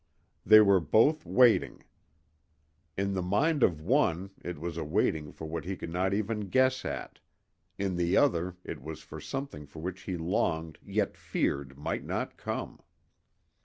They were both waiting. In the mind of one it was a waiting for what he could not even guess at, in the other it was for something for which he longed yet feared might not come.